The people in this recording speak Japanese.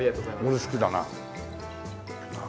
俺好きだな。